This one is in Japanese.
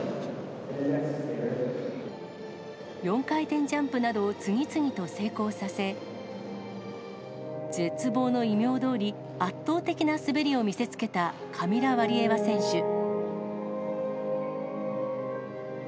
４回転ジャンプなどを次々と成功させ、絶望の異名どおり、圧倒的な滑りを見せつけたカミラ・ワリエワ選手。